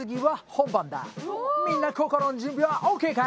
みんな心の準備はＯＫかい？